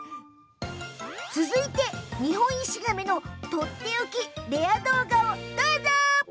続いてニホンイシガメのとっておきレア動画。